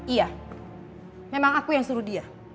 iya memang aku yang suruh dia